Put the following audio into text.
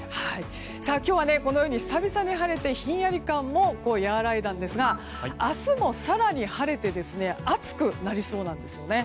今日はこのように久々に晴れてひんやり感も和らいだんですが明日も更に晴れて暑くなりそうなんですよね。